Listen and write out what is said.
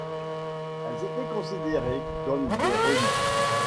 Elles étaient considérées comme des reliques.